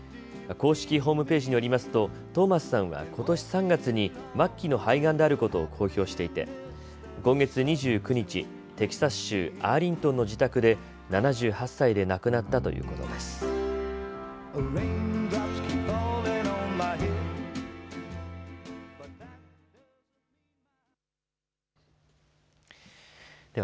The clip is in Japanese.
公式ホームページによりますとトーマスさんはことし３月に末期の肺がんであることを公表していて今月２９日、テキサス州アーリントンの自宅で７８歳で亡くなったということです。